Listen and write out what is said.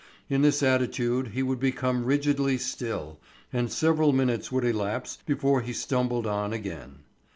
In this attitude he would become rigidly still, and several minutes would elapse before he stumbled on again.